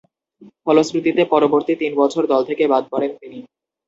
ফলশ্রুতিতে পরবর্তী তিন বছর দল থেকে বাদ পড়েন তিনি।